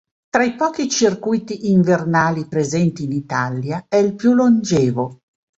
Tra i pochi circuiti invernali presenti in Italia è il più longevo.